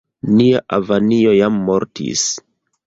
Nia avinjo jam mortis.